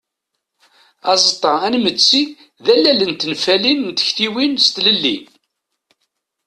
Aẓeṭṭa anmetti d allal i tenfalit n tektiwin s tlelli.